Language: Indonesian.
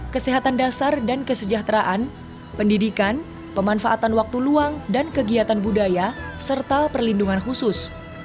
kesehatan dasar dan kesejahteraan pendidikan pemanfaatan waktu luang dan kegiatan budaya serta perlindungan khusus